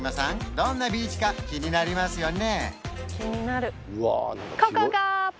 どんなビーチか気になりますよね？